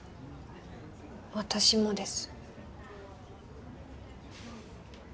私もです。